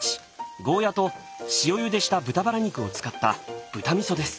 ゴーヤと塩ゆでした豚バラ肉を使った豚味噌です。